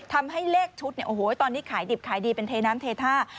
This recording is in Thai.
ทำให้เลขชุดเนี่ยโอ้โหตอนนี้ขายดิบขายดีเป็นเทน้ำเทท่า